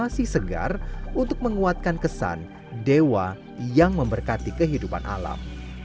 masih segar untuk menguatkan kesan dewa yang memberkati kehidupan alam